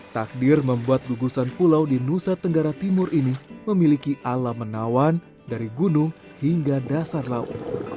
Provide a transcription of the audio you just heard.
takdir membuat gugusan pulau di nusa tenggara timur ini memiliki alam menawan dari gunung hingga dasar laut